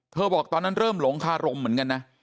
บอกตอนนั้นเริ่มหลงคารมเหมือนกันนะ